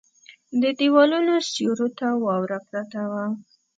د ديوالونو سيورو ته واوره پرته وه.